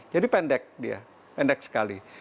jadi pendek dia pendek sekali